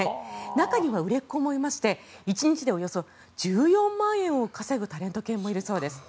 中には売れっ子もいまして１日でおよそ１４万円を稼ぐタレント犬もいるそうです。